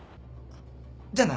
じゃあな。